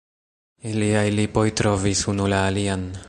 Iliaj lipoj trovis unu la alian.